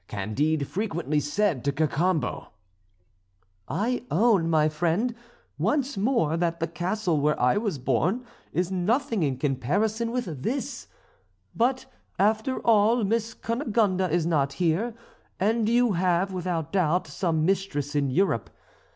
Candide frequently said to Cacambo: "I own, my friend, once more that the castle where I was born is nothing in comparison with this; but, after all, Miss Cunegonde is not here, and you have, without doubt, some mistress in Europe.